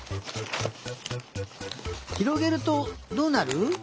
ひろげるとどうなる？